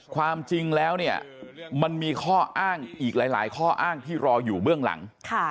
ความจริงแล้วเนี่ยมันมีข้ออ้างอีกหลายข้ออ้างที่รออยู่เบื้องหลัง